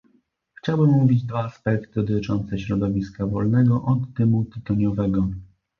Chciałbym omówić dwa aspekty dotyczące środowiska wolnego od dymu tytoniowego